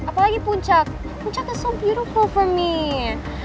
apalagi puncak puncak is so beautiful for me